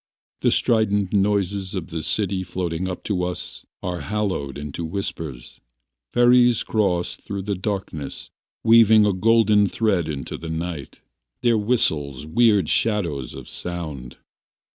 The strident noises of the city Floating up to us Are hallowed into whispers. Ferries cross thru the darkness Weaving a golden thread into the night, Their whistles weird shadows of sound.